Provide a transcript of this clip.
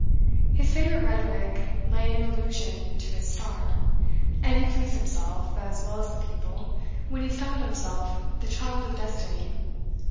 His favorite rhetoric lay in allusion to his star: and he pleased himself, as well as the people, when he styled himself the "Child of Destiny."